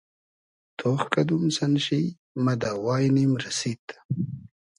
تۉخ کئدوم سئن شی مۂ دۂ واݷنیم رئسید